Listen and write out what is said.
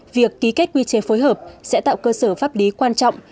việc ký kết quy chế phối hợp sẽ tạo cơ sở pháp lý quan trọng